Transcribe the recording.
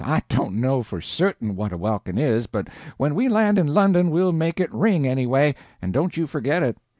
I don't know for certain what a welkin is, but when we land in London we'll make it ring, anyway, and don't you forget it."